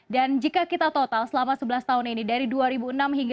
dan jika kita total selama sebelas tahun ini dari dua ribu enam hingga dua ribu tujuh belas